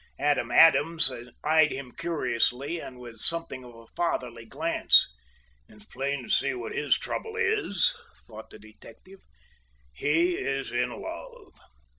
Adam Adams eyed him curiously and with something of a fatherly glance. "It is plain to see what his trouble is," thought the detective. "He is in love."